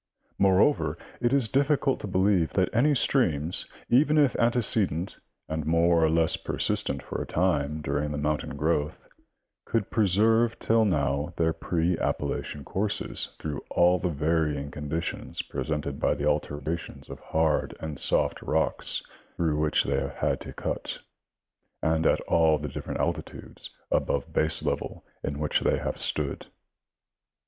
Moreover, it is diflicult to believe that any streams, even if antecedent and more or less persistent for a time during the mountain growth, could preserve till now their pre Appa lachain courses through all the varying conditions presented by the alternations of hard and soft rocks through which they have had to cut, and at all the different altitudes above baselevel in which they have stood.